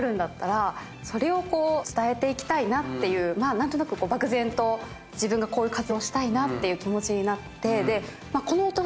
何となく漠然と自分がこういう活動したいなっていう気持ちになって。